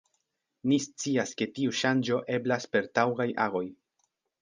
Ni scias, ke tiu ŝanĝo eblas per taŭgaj agoj.